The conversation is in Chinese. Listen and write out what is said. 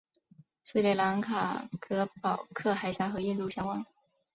斯里兰卡隔保克海峡和印度相望。